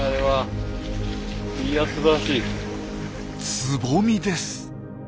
つぼみです！